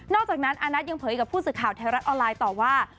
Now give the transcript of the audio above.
อกจากนั้นอานัทยังเผยกับผู้สื่อข่าวไทยรัฐออนไลน์ต่อว่า